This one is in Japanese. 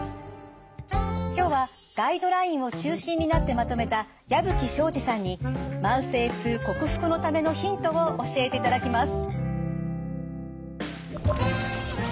今日はガイドラインを中心になってまとめた矢吹省司さんに慢性痛克服のためのヒントを教えていただきます。